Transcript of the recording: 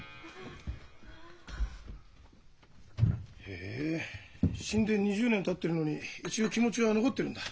へえ死んで２０年たってるのに一応気持ちは残ってるんだ。